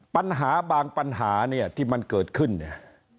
ปัญหาบางปัญหาเนี่ยที่มันเกิดขึ้นเนี่ย